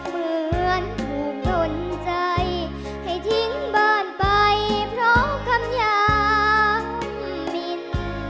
เหมือนถูกปลนใจให้ทิ้งบ้านไปเพราะคำยังมิน